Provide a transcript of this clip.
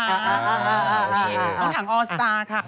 คุณถังออสตาร์ค่ะ